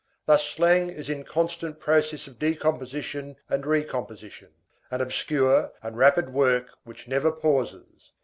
Thus slang is in constant process of decomposition and recomposition; an obscure and rapid work which never pauses.